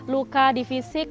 luka di fisik